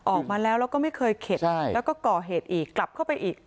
ออกมาแล้วแล้วก็ไม่เคยเข็ดแล้วก็ก่อเหตุอีกกลับเข้าไปอีก